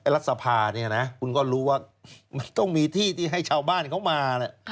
รัฐสภาเนี่ยนะคุณก็รู้ว่ามันต้องมีที่ที่ให้ชาวบ้านเขามา